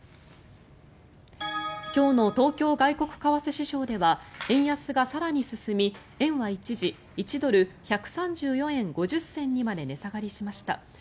今日の東京外国為替市場では円安が更に進み円は一時１ドル＝１３４円５０銭にまで値下がりしました。